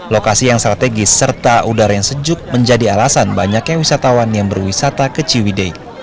lokasi yang strategis serta udara yang sejuk menjadi alasan banyaknya wisatawan yang berwisata ke ciwide